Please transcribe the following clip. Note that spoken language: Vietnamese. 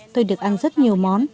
tôi được ăn rất nhiều món